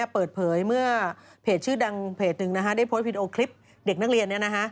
เปิดเผยเมื่อเพจชื่อดังเพจหนึ่งได้โพสต์วิดีโอคลิปเด็กนักเรียน